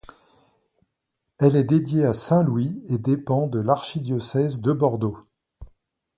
Elle est dédiée à saint Louis et dépend de l'archidiocèse de Bordeaux.